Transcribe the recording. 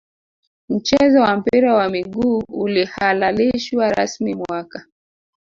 mchezo wa mpira wa miguu ulihalalishwa rasmi mwaka